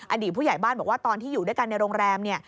อดีตผู้ใหญ่บ้านบอกว่าตอนที่อยู่ด้วยกันในโรงแรม